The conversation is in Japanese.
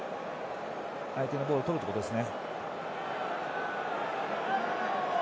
相手のボールをとるところです。